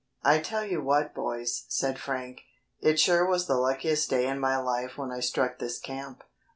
"I tell you what, boys," said Frank, "it sure was the luckiest day in my life when I struck this camp."